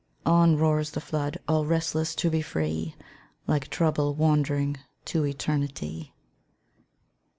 On roars the flood, all restless to be free, Like Trouble wandering to Eternity.